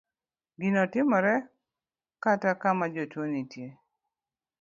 ginotimore kata kama jotugo nitie